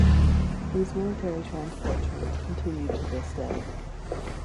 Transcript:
These military transport trains continue to this day.